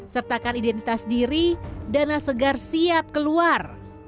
sertakan identitas diri dana segar siap keluar